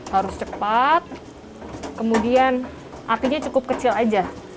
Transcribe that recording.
harus cepat kemudian apinya cukup kecil aja